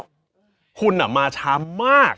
นี่คนอ่ะมาช้ามาก